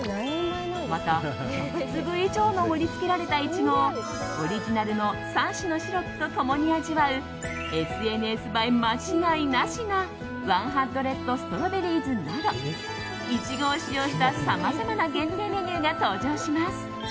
また、１００粒以上の盛りつけられたイチゴをオリジナルの３種のシロップと共に味わうＳＮＳ映え間違いなしのワンハンドレッドストロベリーズなどイチゴを使用した、さまざまな限定メニューが登場します。